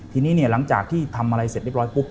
ทีนี้เนี่ยหลังจากที่ทำอะไรเสร็จเรียบร้อยปุ๊บ